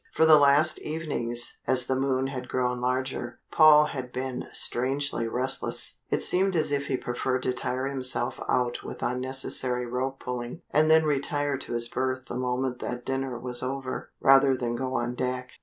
For the last evenings, as the moon had grown larger, Paul had been strangely restless. It seemed as if he preferred to tire himself out with unnecessary rope pulling, and then retire to his berth the moment that dinner was over, rather than go on deck.